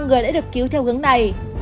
ba người đã được cứu theo hướng này